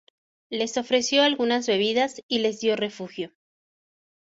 Les ofreció algunas bebidas y les dio refugio.